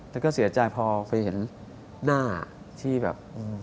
แต่ก็เสียใจพอเคยเห็นหน้าที่แบบ